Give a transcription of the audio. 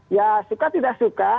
ya suka tidak suka